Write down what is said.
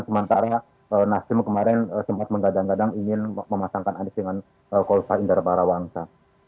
sementara nasdem kemarin sempat menggadang gadang ingin memasangkan anies dengan kulsa indara barawangsa